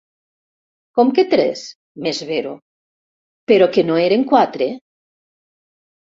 Com que tres? —m'esvero— Però que no eren quatre?